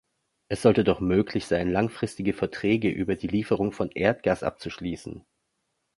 Es sollte doch möglich sein, langfristige Verträge über die Lieferung von Erdgas abzuschließen.